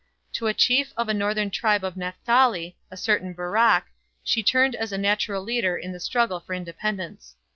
To a chief of a northern tribe of Napthali, a certain Barak, she turned as the natural leader in the struggle for independence.